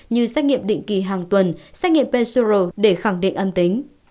như xét nghiệm định kỳ hàng tuần xét nghiệm p zero để khẳng định âm tính